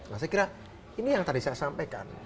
nah saya kira ini yang tadi saya sampaikan